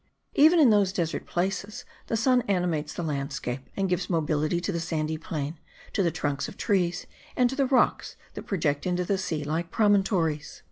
Even in those desert places the sun animates the landscape, and gives mobility to the sandy plain, to the trunks of trees, and to the rocks that project into the sea like promontories.